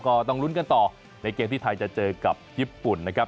ก็ต้องลุ้นกันต่อในเกมที่ไทยจะเจอกับญี่ปุ่นนะครับ